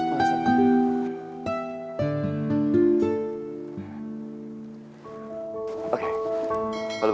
kok senangnya putus